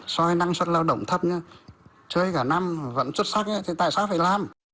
so với năng suất lao động thấp chơi cả năm vẫn xuất sắc thì tại sao phải làm